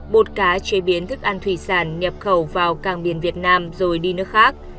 bột cá chế biến thức ăn thủy sản nhập khẩu vào càng biển việt nam rồi đi nước khác